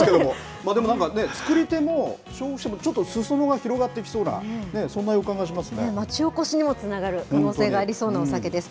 でもなんか、作り手もちょっとすそ野が広がっていきそうな、町おこしにもつながる可能性がありそうなお酒です。